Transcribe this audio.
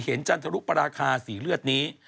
เห็นจันทรุปราคาศรีเลือดนี้